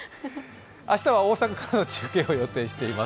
明日は大阪からの中継を予定しております。